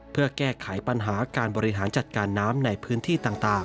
เพื่อแก้ไขปัญหาการบริหารจัดการน้ำในพื้นที่ต่าง